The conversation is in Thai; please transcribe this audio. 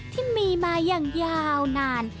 ที่มีมาอย่างยาวนาน